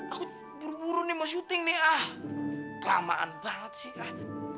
aku buru buru nih mau syuting nih ah kelamaan banget sih ah